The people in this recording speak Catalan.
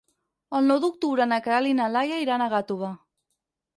El nou d'octubre na Queralt i na Laia iran a Gàtova.